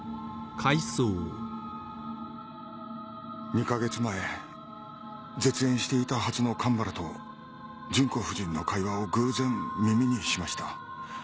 ２か月前絶縁していたはずの神原と純子夫人の会話を偶然耳にしました。